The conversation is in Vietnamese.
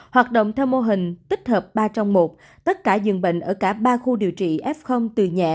hoạt động theo mô hình tích hợp ba trong một tất cả dường bệnh ở cả ba khu điều trị f từ nhẹ